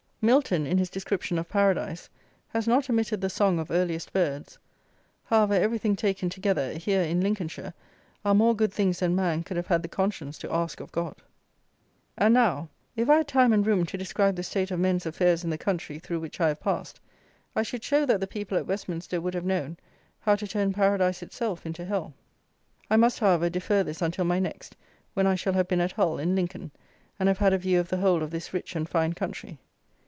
MILTON, in his description of paradise, has not omitted the "song of earliest birds." However, everything taken together, here, in Lincolnshire, are more good things than man could have had the conscience to ask of God. And now, if I had time and room to describe the state of men's affairs in the country through which I have passed, I should show that the people at Westminster would have known, how to turn paradise itself into hell. I must, however, defer this until my next, when I shall have been at Hull and Lincoln, and have had a view of the whole of this rich and fine country.